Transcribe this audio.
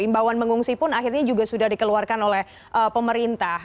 imbauan mengungsi pun akhirnya juga sudah dikeluarkan oleh pemerintah